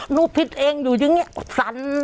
หนูผิดเองอยู่อย่างนี้